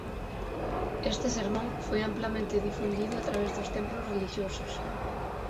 Este sermón foi amplamente difundido a través dos templos relixiosos.